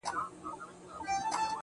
يار ژوند او هغه سره خنـديږي_